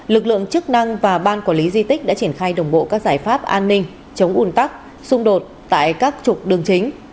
lực lượng chức năng và ban quản lý di tích đã triển khai đồng bộ các giải pháp an ninh chống ủn tắc xung đột tại các trục đường chính